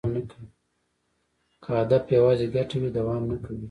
که هدف یوازې ګټه وي، دوام نه کوي.